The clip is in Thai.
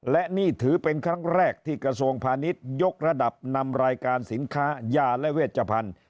และนี่ถือเป็นครั้งแรกที่กระทรวงพาณิชยกระดับนำรายการสินค้ายาและเวชพันธุ์